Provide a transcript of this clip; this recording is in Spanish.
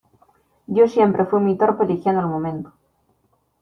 yo siempre fui muy torpe eligiendo el momento.